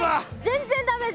全然駄目。